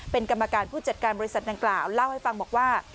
เป็นกรรมการผู้จัดการบริษัทดังกล่าวเล่าให้ฟังบอกว่า